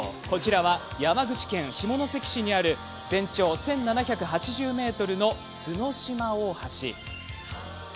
こちらは山口県下関市にある全長１７８０ｍの角島大橋。